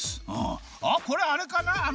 あっこれあれかな？